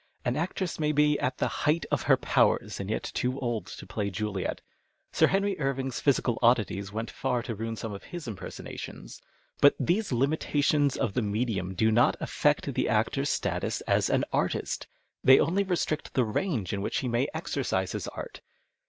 An actress may be at the height of her powers, and yet too old to play Juliet. Sir Henry Irving's physical oddities went far to ruin some of his impersonations. But these limitations of the medium do not affect the actor's status as an artist. They only restrict the range in which he may exercise his art.